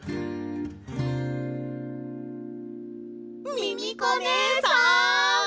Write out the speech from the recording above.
ミミコねえさん。